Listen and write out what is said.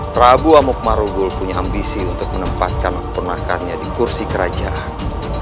prabu amokmarugul punya ambisi untuk menempatkan kepernakannya di kursi kerajaan